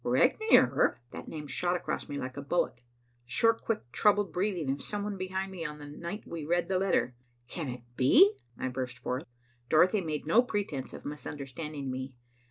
"Regnier!" That name shot across me like a bullet. The short, quick, troubled breathing of some one behind me on the night we read the letter! "Can it be!" I burst forth. Dorothy made no pretence of misunderstanding me.